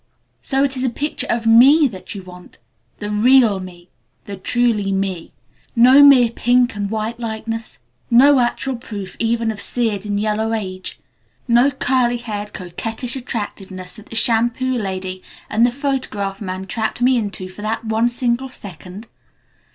So it is a picture of me that you want? The real me! The truly me! No mere pink and white likeness? No actual proof even of 'seared and yellow age'? No curly haired, coquettish attractiveness that the shampoo lady and the photograph man trapped me into for that one single second?